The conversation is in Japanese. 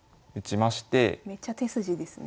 めっちゃ手筋ですね。